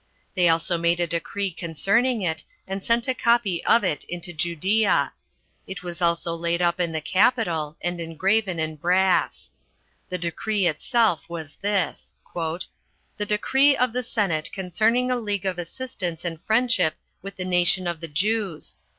They also made a decree concerning it, and sent a copy of it into Judea. It was also laid up in the capitol, and engraven in brass. The decree itself was this: "The decree of the senate concerning a league of assistance and friendship with the nation of the Jews.